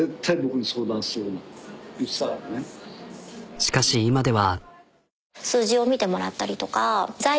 しかし今では。